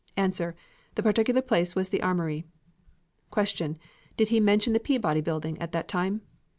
A. The particular place was the Armory. Q. Did he mention the Peabody Building at that time?